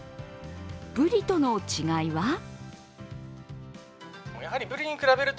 ブリとの違いは？